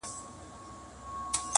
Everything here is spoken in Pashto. چا یې نه سوای د قدرت سیالي کولای،